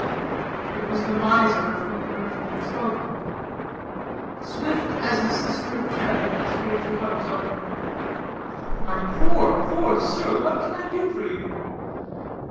It was the miser of whom the merchant had spoken. Swift as a sister of charity, the stranger hovers over him: "My poor, poor sir, what can I do for you?"